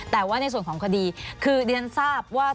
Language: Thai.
แต่ว่าในส่วนของคดีคือเรียนทราบว่า